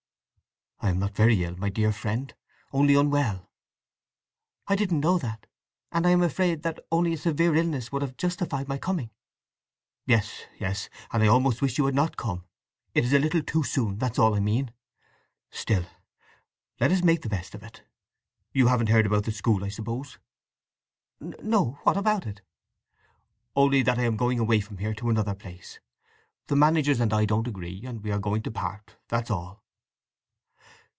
"I am not very ill, my dear friend. Only unwell." "I didn't know that; and I am afraid that only a severe illness would have justified my coming!" "Yes… yes. And I almost wish you had not come! It is a little too soon—that's all I mean. Still, let us make the best of it. You haven't heard about the school, I suppose?" "No—what about it?" "Only that I am going away from here to another place. The managers and I don't agree, and we are going to part—that's all."